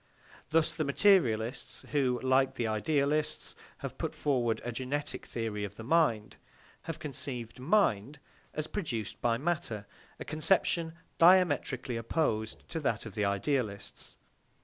Thus the materialists, who, like the idealists, have put forward a genetic theory of the mind, have conceived mind as produced by matter; a conception diametrically opposed to that of the idealists.